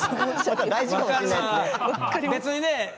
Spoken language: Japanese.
別にね